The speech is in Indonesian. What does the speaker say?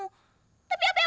tapi apa yang aku dapat